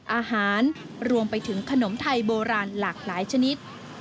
อาหารรวมไปถึงขนมไทยโบราณหลากหลายชนิด